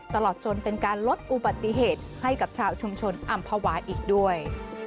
ตลอดจนเป็นการลดอุบัติเหตุให้กับชาวชุมชนอำภาวะอีกด้วย